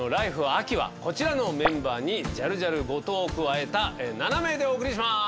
秋」はこちらのメンバーにジャルジャル後藤を加えた７名でお送りします！